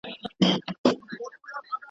ورځه ویده سه موږ به څرک د سبا ولټوو..